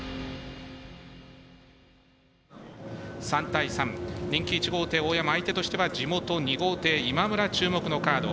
３対３人気１号艇大山相手としては地元２号艇今村注目のカード。